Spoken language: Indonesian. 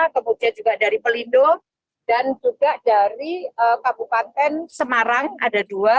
kemudian juga dari pelindo dan juga dari kabupaten semarang ada dua